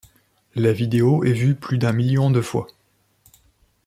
La vidéo est vue plus d'un million de fois.